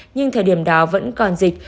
nhưng thời điểm đó vẫn còn dịch